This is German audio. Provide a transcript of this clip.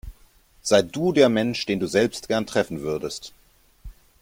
Sei du der Mensch, den du selbst gern treffen würdest.